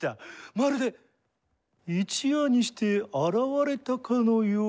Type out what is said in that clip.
まるで一夜にして現れたかのよう。